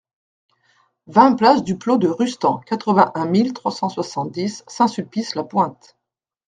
vingt place du Plô de Rustan, quatre-vingt-un mille trois cent soixante-dix Saint-Sulpice-la-Pointe